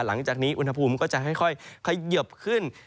หลังจากนี้อุณหภูมิก็จะค่อยเขยิบขึ้น